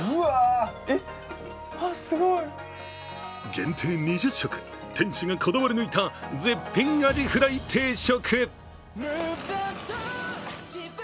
限定２０食、店主がこだわり抜いた絶品アジフライ定食。